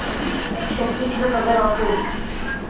শক্তি ছিল তাদের অটুট।